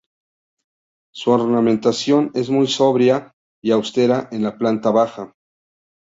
Su ornamentación es muy sobria y austera en la planta baja.